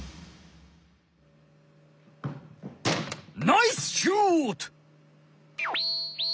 ナイスシュート！